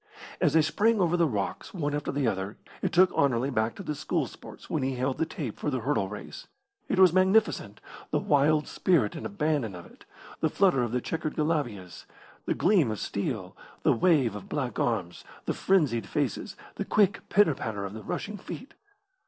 As they sprang over the rocks one after the other, it took Anerley back to the school sports when he held the tape for the hurdle race. It was magnificent, the wild spirit and abandon of it, the flutter of the chequered galabeeahs, the gleam of steel, the wave of black arms, the frenzied faces, the quick pitter patter of the rushing feet.